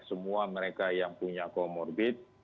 semua mereka yang punya comorbid